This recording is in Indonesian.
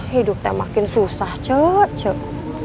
hidup teh makin susah cek